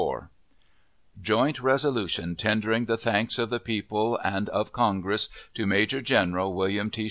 4.] Joint resolution tendering the thanks of the people and of Congress to Major General William T.